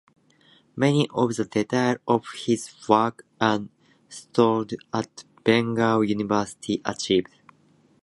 Many of the details of his work are stored at Bangor University archives.